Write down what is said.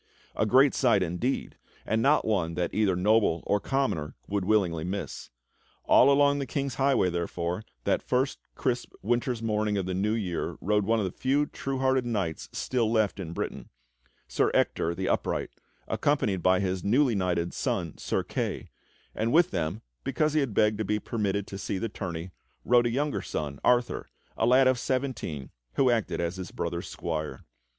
A great sight indeed, and not one that either noble or commoner 20 THE STORY OF KING ARTHUR would willingly miss. All along the King's highway, therefore, that first crisp winter's morning of the New Year rode one of the few true hearted knights still left in Britain — Sir Ector the Upright, accom panied by his newly knighted son Sir Kay, and with them, because he had begged to be permitted to see the tourney, rode a younger son, Arthur, a lad of seventeen who acted as his brother's squire.